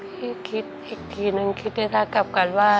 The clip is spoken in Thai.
พี่คิดอีกทีหนึ่งคิดได้รักกับกันว่า